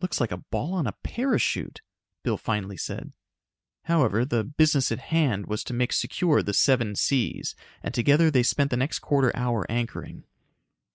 "Looks like a ball on a parachute," Bill finally said. However, the business at hand was to make secure the Seven Seas and together they spent the next quarter hour anchoring.